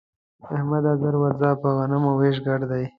احمده! ژر ورځه پر غنمو وېش ګډ دی.